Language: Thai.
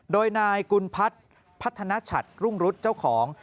โดยนายกุลพัฒน์พัฒนชัดรุ่งรุษเจ้าของ